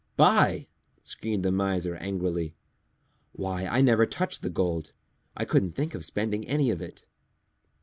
"Buy!" screamed the Miser angrily. "Why, I never touched the gold. I couldn't think of spending any of it."